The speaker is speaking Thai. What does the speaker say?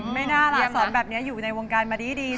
ไม่น่ารักสอนแบบนี้อยู่ในวงการมาดี